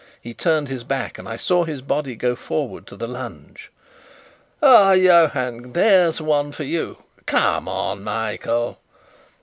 He turned his back, and I saw his body go forward to the lunge. "Ah, Johann, there's one for you! Come on, Michael!"